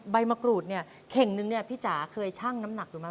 ใบมะกรูดเนี่ยเข่งนึงเนี่ยพี่จ๋าเคยชั่งน้ำหนักดูไหม